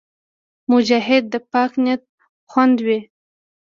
مجاهد د پاک نیت خاوند وي.